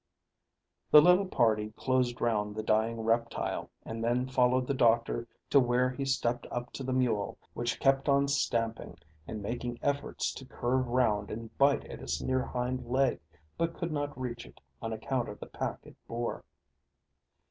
The little party closed round the dying reptile, and then followed the doctor to where he stepped up to the mule, which kept on stamping and making efforts to curve round and bite at its near hind leg, but could not reach it on account of the pack it bore.